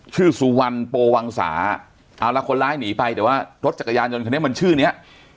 ชื่อสุวรรณโปวังสาเอาละคนร้ายหนีไปแต่ว่ารถจักรยานยนต์คันนี้มันชื่อเนี้ย